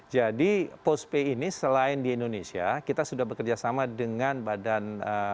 jadi postpay ini selain di indonesia kita sudah bekerja sama dengan badan